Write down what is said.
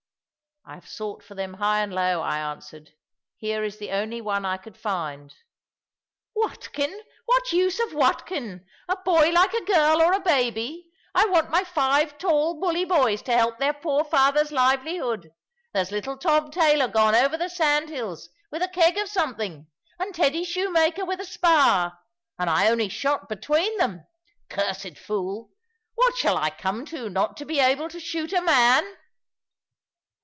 "I have sought for them high and low," I answered; "here is the only one I could find." "Watkin! What use of Watkin? A boy like a girl or a baby! I want my five tall bully boys to help their poor father's livelihood. There's little Tom tailor gone over the sandhills with a keg of something; and Teddy shoemaker with a spar; and I only shot between them! Cursed fool! what shall I come to, not to be able to shoot a man?"